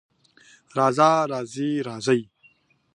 راځه، راځې، راځئ